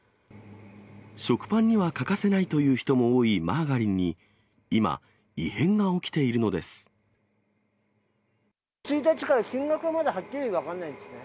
食パンには欠かせないという人も多いマーガリンに、今、異変が起１日から金額はまだはっきり分かんないですね。